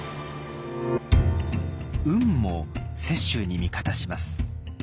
運も雪舟に味方します。